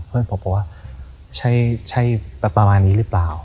เพื่อนผมบอกว่าใช่ประมาณนี้หรือเปล่า